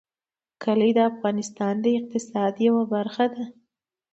کلي د افغانستان د اقتصاد یوه برخه ده.